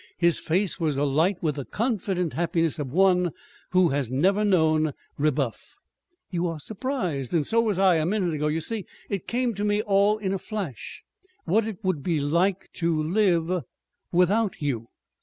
His face was alight with the confident happiness of one who has never known rebuff. "You are surprised and so was I, a minute ago. You see, it came to me all in a flash what it would be to live without you."